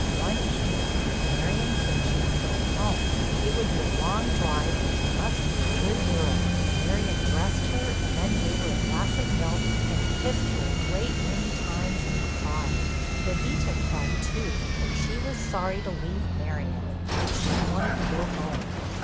One evening Marion said she was going home; it would be a long drive and she must be a good girl. Marion dressed her and then gave her a glass of milk, and kissed her a great many times and cried. Bébita cried too, for she was sorry to leave Marion, but she wanted to go home.